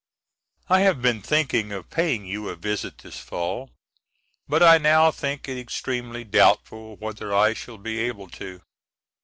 I have been thinking of paying you a visit this fall, but I now think it extremely doubtful whether I shall be able to.